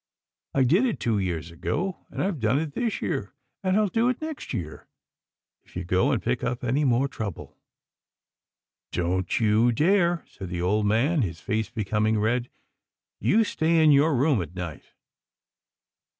I did it two years ago, and Tve done it this year, and I'll do it next year, if you go and pick up any more trouble." " Don't you dare," said the old man, his face becoming red. " You stay in your room at night."